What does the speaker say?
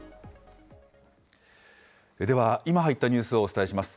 では、今入ったニュースをお伝えします。